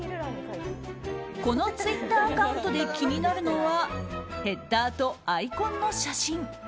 このツイッターアカウントで気になるのはヘッダーとアイコンの写真。